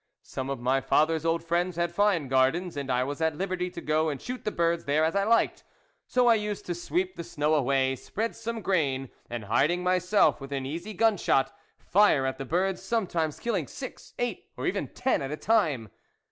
Some of my father's old friends had fine gardens, and I was at liberty to go and shoot the birds there as I liked. So I used to sweep the snow away, spread some grain, and, hiding myself within easy gun shot, fire at the birds, sometimes killing six, eight, or even ten at a time.